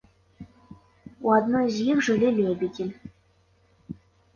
У адной з іх жылі лебедзі.